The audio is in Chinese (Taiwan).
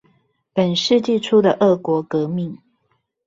本世紀初的俄國革命